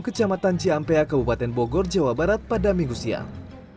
kecamatan ciampea kabupaten bogor jawa barat pada minggu siang